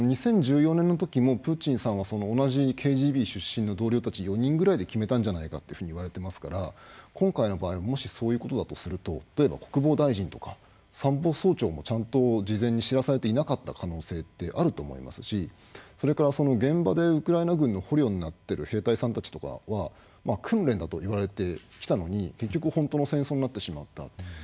２０１４年のときもプーチンさんは同じＫＧＢ出身の同僚たち４人ぐらいで決めたんじゃないかというふうに言われてますから今回の場合もしそういうことだとすると例えば国防大臣とか参謀総長もちゃんと事前に知らされていなかった可能性ってあると思いますしそれから現場でウクライナ軍の捕虜になってる兵隊さんたちとかは訓練だと言われて来たのに結局本当の戦争になってしまったと。